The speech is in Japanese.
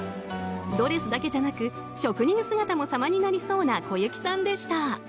ドレスだけじゃなく職人姿も様になりそうな小雪さんでした。